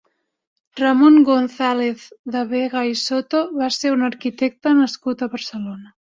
Ramón González de Vega i Soto va ser un arquitecte nascut a Barcelona.